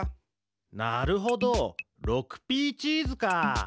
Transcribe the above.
なるほど６Ｐチーズか！